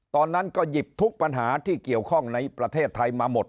ตอนนั้นก็หยิบทุกปัญหาที่เกี่ยวข้องในประเทศไทยมาหมด